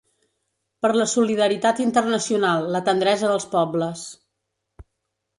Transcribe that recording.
Per la solidaritat internacional, la tendresa dels pobles!